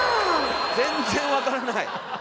全然分からない。